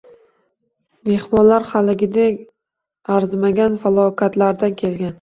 Mehmonlar haligiday arzimagan falokatlardan kelgan.